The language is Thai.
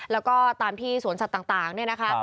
แล้วก็ตามที่สวนสัตว์ต่างเนี่ยนะคะ